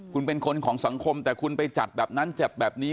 คุณเป็นคนของสังคมแต่คุณไปจัดแบบนั้นจัดแบบนี้